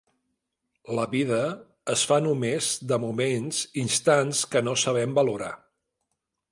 La vida es fa només de moments, instants que no sabem valorar.